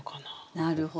なるほど。